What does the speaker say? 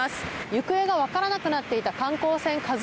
行方が分からなくなっていた観光船